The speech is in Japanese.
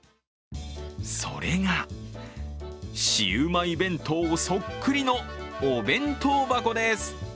それが、シウマイ弁当そっくりのお弁当箱です。